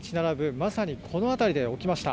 まさにこの辺りで起きました。